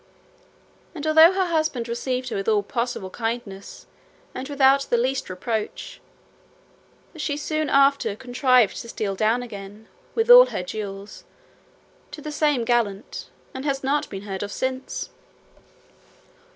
And although her husband received her with all possible kindness, and without the least reproach, she soon after contrived to steal down again, with all her jewels, to the same gallant, and has not been heard of since.